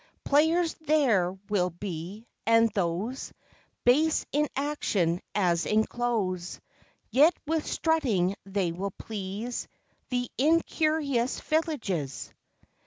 Players there will be, and those Base in action as in clothes; Yet with strutting they will please The incurious villages.